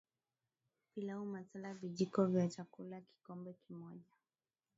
Pilau masala Vijiko vya chakula kikombe kimoja